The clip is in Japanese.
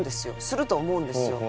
すると思うんですよ。